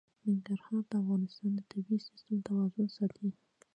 ننګرهار د افغانستان د طبعي سیسټم توازن ساتي.